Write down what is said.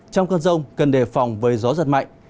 trong cơn rông cần đề phòng với gió giật mạnh